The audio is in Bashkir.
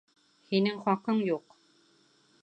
Һинең хаҡың юҡ!